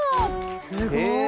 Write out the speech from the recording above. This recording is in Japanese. すごい！